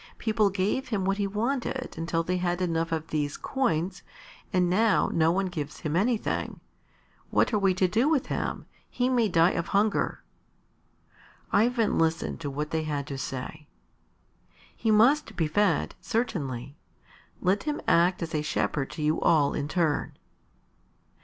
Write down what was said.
People gave him what he wanted until they had enough of these coins, and now no one gives him anything. What are we to do with him? He may die of hunger." Ivan listened to what they had to say. "He must be fed, certainly. Let him act as a shepherd to you all in turn."